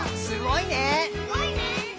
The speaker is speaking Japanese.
「すごいね」